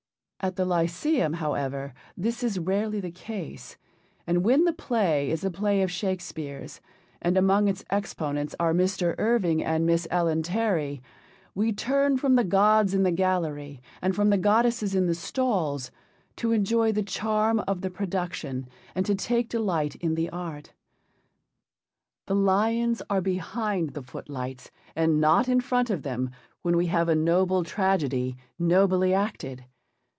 At the Lyceum, however, this is rarely the case, and when the play is a play of Shakespeare's, and among its exponents are Mr. Irving and Miss Ellen Terry, we turn from the gods in the gallery and from the goddesses in the stalls, to enjoy the charm of the production, and to take delight in the art. The lions are behind the footlights and not in front of them when we have a noble tragedy nobly acted.